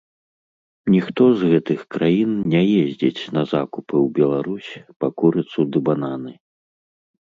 Ніхто з гэтых краін не ездзіць на закупы ў Беларусь па курыцу ды бананы.